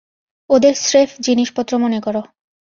ওদের স্রেফ জিনিসপত্র মনে করো।